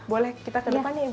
boleh kita ke depannya ibu